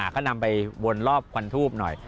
ก็นำไปวนรอบควันทูบหน่อย